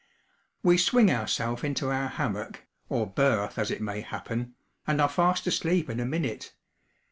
We swing ourself into our hammock (or berth, as it may happen), and are fast asleep in a minute.